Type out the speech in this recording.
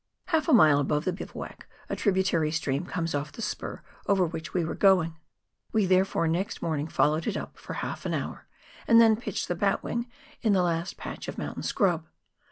Half a mile above the bivouac a tributary stream comes off the spur, over which we were going ; we therefore, next morn ing, followed it up for an hour, and then pitched the batwing in the last patch of mountain scrub.